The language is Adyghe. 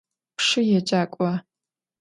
Pşşı yêcak'ua?